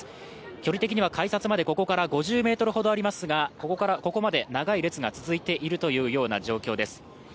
距離的には改札までここから５０ｍほどありますから、ここまで長い列が続いている状況です。